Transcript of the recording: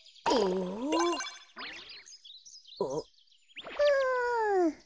あっ。